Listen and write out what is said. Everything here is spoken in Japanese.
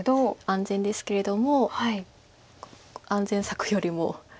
安全ですけれども安全策よりも。